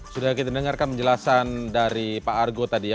sudah kita dengarkan penjelasan dari pak argo tadi ya